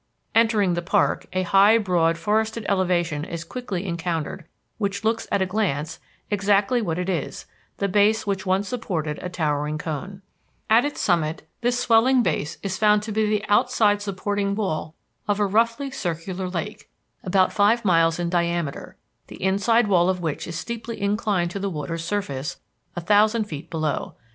[Illustration: CROSS SECTION OF CRATER LAKE SHOWING PROBABLE OUTLINE OF MOUNT MAZAMA] Entering the park, a high, broad, forested elevation is quickly encountered which looks at a glance exactly what it is, the base which once supported a towering cone. At its summit, this swelling base is found to be the outside supporting wall of a roughly circular lake, about five miles in diameter, the inside wall of which is steeply inclined to the water's surface a thousand feet below.